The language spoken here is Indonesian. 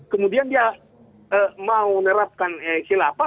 kemudian dia mau nerapkan hilafah